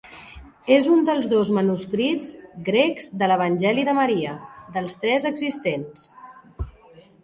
És un dels dos manuscrits grecs de l'Evangeli de Maria, dels tres existents.